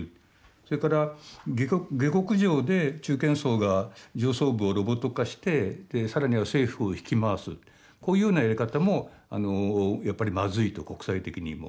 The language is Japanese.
それから下克上で中堅層が上層部をロボット化して更には政府を引き回すこういうようなやり方もやっぱりまずいと国際的にも。